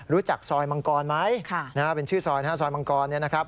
รู้จักซอยมังกรไหมเป็นชื่อซอยซอยมังกร